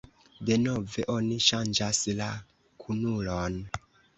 "Denove oni ŝanĝas la kunulon."